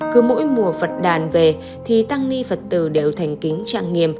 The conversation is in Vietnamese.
cứ mỗi mùa phật đàn về thì tăng ni phật tử đều thành kính trang nghiêm